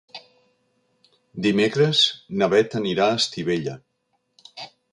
Dimecres na Beth anirà a Estivella.